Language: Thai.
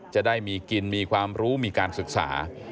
จะได้มีกินมีความรู้มีการศึกษา